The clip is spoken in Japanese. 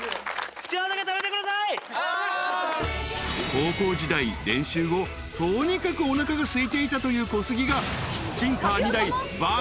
［高校時代練習後とにかくおなかがすいていたという小杉がキッチンカー２台爆発注］